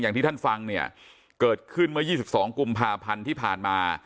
อย่างที่ท่านฟังเนี่ยเกิดขึ้นเมื่อ๒๒กุมภาพันธ์ที่ผ่านมา